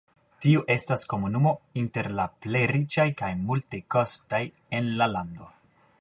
Tiu estas komunumo inter la plej riĉaj kaj multekostaj el la lando.